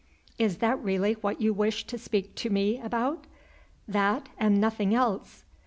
"Is that really what you wished to speak to me about?" "That, and nothing else."